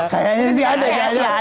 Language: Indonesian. kayaknya sih ada ya